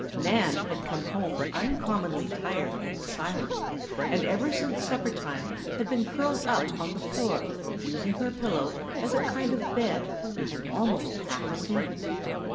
Nan had come home uncommonly tired and silent, and ever since supper time had been curled up on the floor using her pillow as a kind of bed and almost half asleep.